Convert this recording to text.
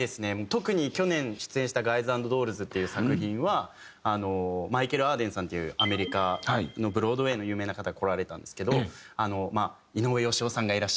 特に去年出演した『ガイズ＆ドールズ』っていう作品はマイケル・アーデンさんっていうアメリカのブロードウェイの有名な方が来られたんですけど井上芳雄さんがいらっしゃって。